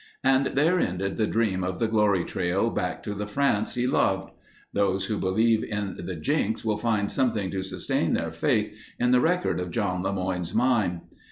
And there ended the dream of the glory trail back to the France he loved. Those who believe in the jinx will find something to sustain their faith in the record of John LeMoyne's mine.